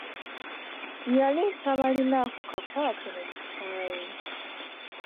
Yali tabalinaako kakwate mu musaayi.